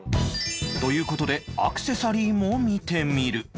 という事でアクセサリーも見てみる